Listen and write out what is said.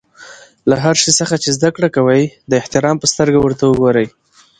له هر شي څخه چي زدکړه کوى؛ د احترام په سترګه ورته ګورئ!